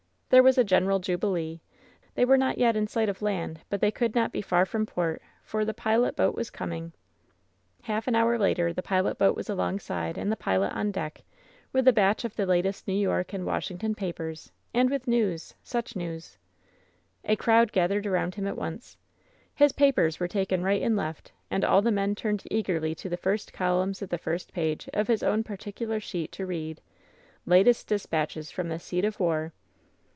There was a general jubilee 1 They were not yet in sight of land, but they could not be far from port, for the pilot boat was coming! Half an hour later the pilot boat was alongside and the pilot on deck, with a batch of the latest New York and Washington papers, and with news — such news! A crowd gathered around him at once. His papers were taken right and left, and all the men turned eagerly to the first columns of the first page of his own particular sheet to read: "Latest Dispatches from the Seat of War.''